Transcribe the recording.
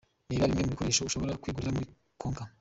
Reba bimwe mu bikoresho ushobora kwigurira muri Konka.